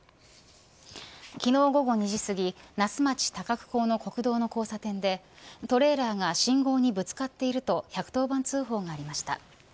昨日午後２時すぎ那須町高久甲の国道の交差点でトレーラーが信号にぶつかっていると１１０番通報がありました。